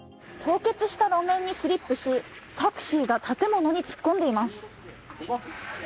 凍結した路面にスリップしタクシーが建物に突っ込んでいます。